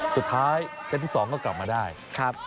สุดท้ายเซตที่๒ก็กลับมาได้ครับ